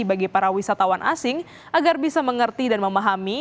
bagi para wisatawan asing agar bisa mengerti dan memahami